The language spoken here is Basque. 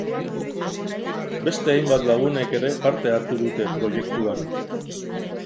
Beste hainbat lagunek ere parte hartu dute proiektuan.